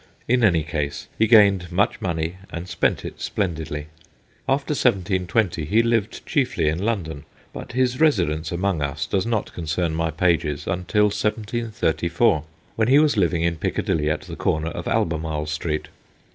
In any case, he gained much money and spent it splendidly. After 1720 he lived chiefly in London, but his residence among us does not concern my pages until 1734, when he was living in Piccadilly, at the corner of Albemarle Street.